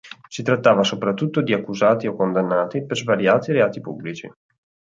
Si trattava soprattutto di accusati o condannati per svariati reati pubblici.